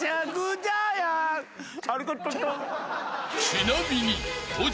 ［ちなみに］